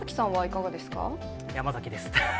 山崎です。